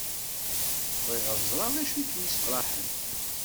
Bɣiɣ ad ẓreɣ d acu i kem-isefraḥen!